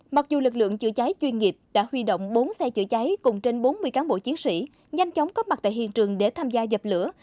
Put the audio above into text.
mặc dù lực lượng chữa cháy chuyên nghiệp đã huy động bốn xe chữa cháy cùng trên bốn mươi cán bộ chiến sĩ nhanh chóng có mặt tại hiện trường để tham gia dập lửa